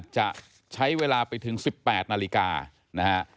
จะใช้เวลาไปถึง๑๘นาฬิกานะฮะ